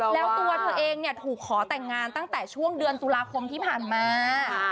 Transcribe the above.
แล้วตัวเธอเองถูกขอแต่งงานตั้งแต่ช่วงเดือนตุลาคมที่ผ่านมา